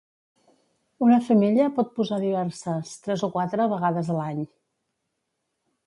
Una femella pot posar diverses, tres o quatre, vegades a l'any.